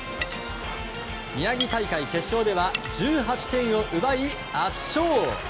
宮城大会決勝では１８点を奪い圧勝。